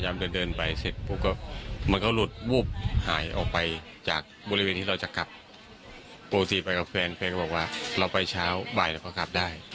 ไม่รู้ว่าอะไรเกิดขึ้นตรงนั้นครับ